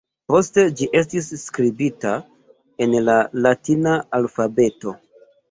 Poste ĝi estis skribita en la latina alfabeto.